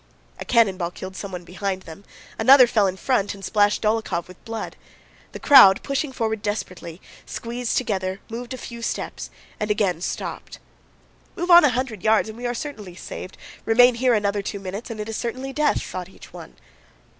A cannon ball killed someone behind them, another fell in front and splashed Dólokhov with blood. The crowd, pushing forward desperately, squeezed together, moved a few steps, and again stopped. "Move on a hundred yards and we are certainly saved, remain here another two minutes and it is certain death," thought each one.